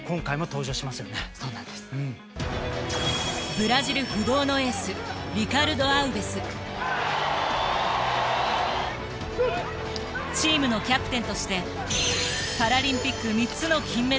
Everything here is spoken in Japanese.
ブラジル不動のエースチームのキャプテンとしてパラリンピック３つの金メダルを獲得。